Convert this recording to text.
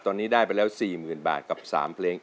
ตอนนี้ได้ไปแล้ว๔๐๐๐บาทกับ๓เพลง